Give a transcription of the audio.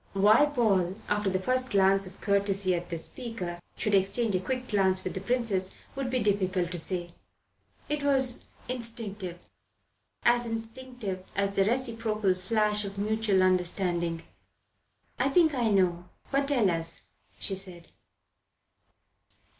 Why Paul, after the first glance of courtesy at the speaker, should exchange a quick glance with the Princess would be difficult to say. It was instinctive; as instinctive as the reciprocal flash of mutual understanding. "I think I know, but tell us," she said.